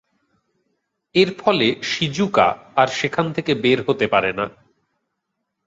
এর ফলে শিজুকা আর সেখান থেকে বের হতে পারেনা।